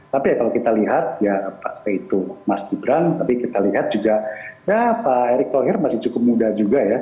tapi ya kalau kita lihat ya partai itu mas gibran tapi kita lihat juga ya pak erick thohir masih cukup muda juga ya